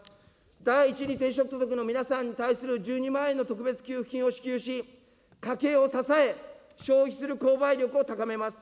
第１に低所得の皆さんに対する１２万円の特別給付金を支給し、家計を支え、消費する購買力を高めます。